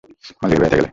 মালদ্বীপে বেড়াতে গেলে।